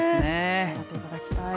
頑張っていただきたい。